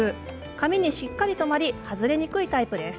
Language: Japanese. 髪にしっかり留まり外れにくいタイプです。